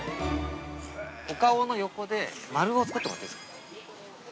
◆お顔の横で、マルを作ってもらっていいですか。